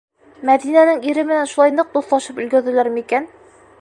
Мәҙинәнең ире менән шулай ныҡ дуҫлашып өлгөрҙөләр микән?